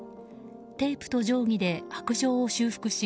テープと定規で白杖を修復し